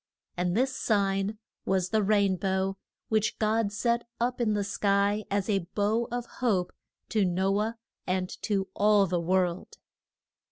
And this sign was the rain bow, which God set up in the sky as a bow of hope to No ah and to all the world.